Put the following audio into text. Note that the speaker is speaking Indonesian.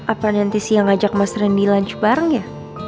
apa nanti siang ajak mas randy lunch bareng ya